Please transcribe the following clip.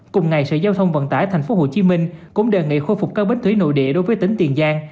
cùng ngày sở giao thông vận tải tp hcm cũng đề nghị khôi phục các bến thủy nội địa đối với tỉnh tiền giang